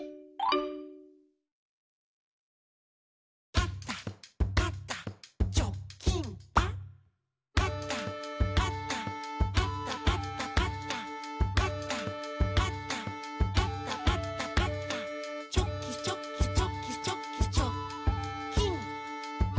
「パタパタパタパタパタ」「パタパタパタパタパタ」「チョキチョキチョキチョキチョッキン！」